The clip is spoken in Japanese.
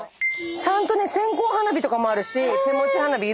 ちゃんとね線香花火とかもあるし手持ち花火